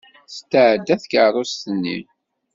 Tetɛedda tkeṛṛust-nni!